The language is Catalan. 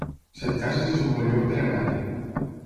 Setcases es un bon lloc per anar-hi